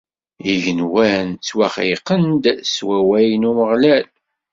Igenwan ttwaxelqen-d s wawal n Umeɣlal.